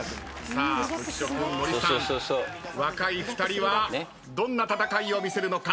さあ浮所君森さん若い２人はどんな戦いを見せるのか。